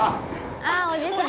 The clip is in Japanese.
あおじさん。